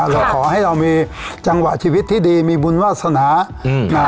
เราขอให้เรามีจังหวะชีวิตที่ดีมีบุญวาสนาอืมอ่า